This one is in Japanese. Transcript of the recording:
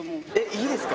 いいですか？